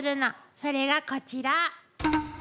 それがこちら。